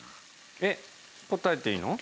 えっ答えていいの？